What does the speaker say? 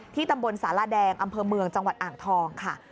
ตำบลสารแดงอำเภอเมืองจังหวัดอ่างทองค่ะ